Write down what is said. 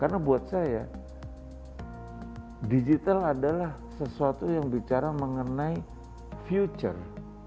karena buat saya digital adalah sesuatu yang bicara mengenai future